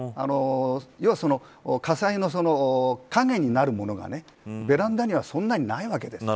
要は火災のたねになるものがベランダにはそんなにないわけです。